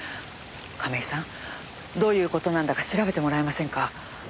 亀井さんどういう事なんだか調べてもらえませんか？